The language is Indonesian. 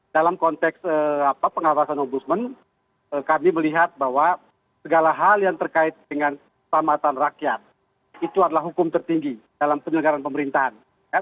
dalam konteks pengawasan ombudsman kami melihat bahwa segala hal yang terkait dengan selamatan rakyat itu adalah hukum tertinggi dalam penyelenggaran pemerintahan